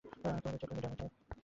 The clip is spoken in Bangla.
আমি কোহিনূর চাই!